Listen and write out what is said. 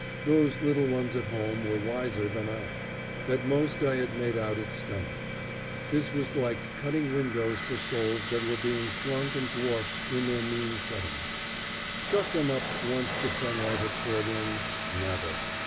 Those little ones at home were wiser than I. At most I had made out its stomach. This was like cutting windows for souls that were being shrunk and dwarfed in their mean setting. Shut them up once the sunlight had poured in never!